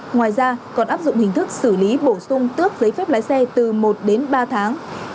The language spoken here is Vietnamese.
ngoài ra còn áp dụng hình thức xử lý bổ sung tước giấy phép lái xe từ một đến ba tháng